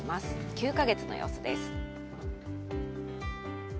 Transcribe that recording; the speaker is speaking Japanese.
９か月の様子です。